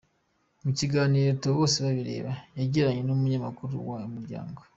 Mu kiganiro Theo Bosebabireba yagiranye n’umunyamakuru wa Umuryango.